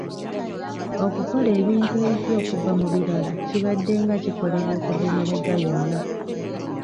Okukola ebintu ebipya okuva mu birala kibaddenga kikolebwa okuva emabega yonna